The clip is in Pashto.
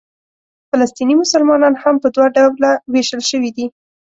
فلسطیني مسلمانان هم په دوه ډوله وېشل شوي دي.